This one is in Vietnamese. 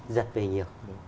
giật về nhiều